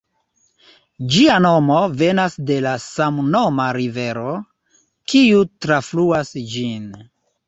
Ĝia nomo venas de la samnoma rivero, kiu trafluas ĝin.